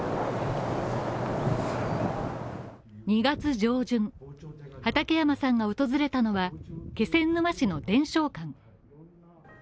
２月上旬、畠山さんが訪れたのは気仙沼市の伝承館。